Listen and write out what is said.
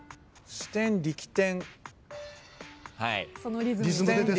支点力点。